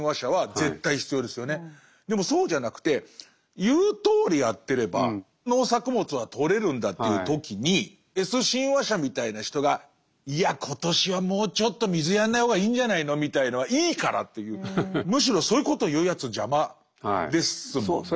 でもそうじゃなくて言うとおりやってれば農作物は取れるんだという時にＳ親和者みたいな人がいや今年はもうちょっと水やんない方がいいんじゃないのみたいのはいいからっていうむしろそういうことを言うやつ邪魔ですもんね。